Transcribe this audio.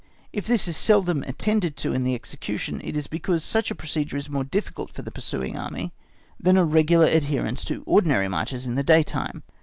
If this is seldom attended to in the execution, it is because such a procedure is more difficult for the pursuing Army, than a regular adherence to ordinary marches in the daytime.